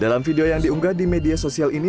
dalam video yang diunggah di media sosial ini